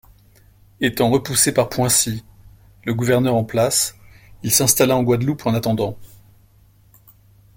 Étant repoussé par Poincy, le gouverneur en place, il s'installa en Guadeloupe en attendant.